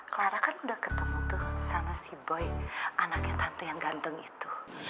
clara kan udah ketemu tuh sama si boy anaknya tante yang ganteng itu